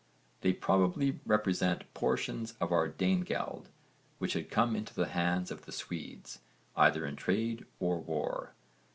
They probably represent portions of our Danegeld which had come into the hands of the Swedes either in trade or war.